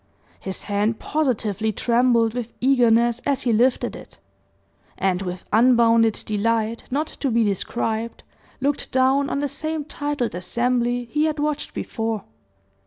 His hand positively trembled with eagerness as he lifted it; and with unbounded delight, not to be described, looked down on the same titled assembly he had watched before.